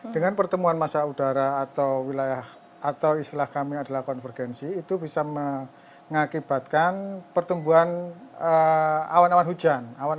dengan pertemuan masa udara atau wilayah atau istilah kami adalah konvergensi itu bisa mengakibatkan pertumbuhan awan awan hujan